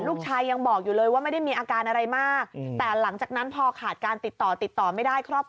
ลูกชายยังบอกอยู่เลยว่าไม่ได้มีอาการหรอก